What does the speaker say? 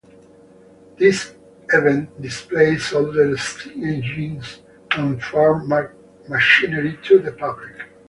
This event displays older steam engines and farm machinery to the public.